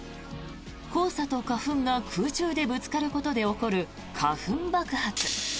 黄砂と花粉が空中でぶつかることで起こる花粉爆発。